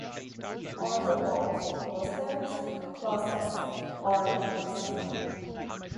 On the walls, posters, closets, orders.